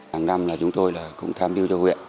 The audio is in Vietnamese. hàng năm chúng tôi cũng tham biêu cho huyện